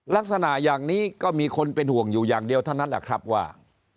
ลักษณะอย่างนี้ก็มีคนเป็นห่วงอยู่อย่างเดียวเท่านั้นแหละครับว่า